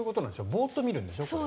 ボーッと見るんでしょ？